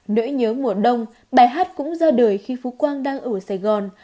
nỗi nhớ mùa đông bài hát cũng ra đời khi phú quang đang ở sài gòn